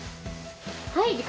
はい。